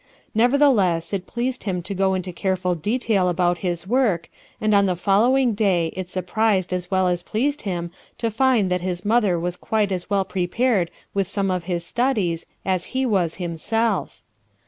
Nevertheless it pleased him to go into careful detail about his work, and on the following day it surprised as well as pleased him to find that his mother was quite as well prepared with some of his studies as he was himself.